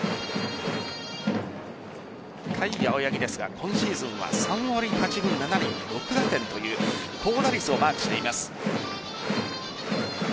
対青柳ですが今シーズンは３割８分７厘６打点という高打率をマークしています。